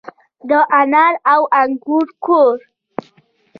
د انار او انګور کور.